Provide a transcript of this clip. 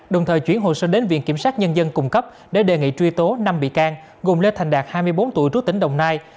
đồng thời chuyển hồ sơ đến viện kiểm sát nhân dân cùng cấp để đề nghị truy tố năm bị can